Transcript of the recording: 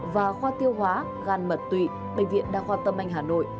và khoa tiêu hóa gan mật tụy bệnh viện đa khoa tâm anh hà nội